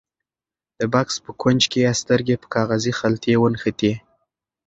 د بکس په کونج کې یې سترګې په کاغذي خلطې ونښتې.